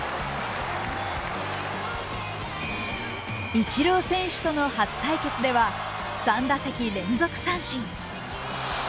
イチロー選手との初対決では３打席連続三振。